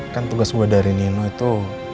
kan tugas gue dari nino itu